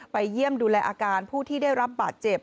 เยี่ยมดูแลอาการผู้ที่ได้รับบาดเจ็บ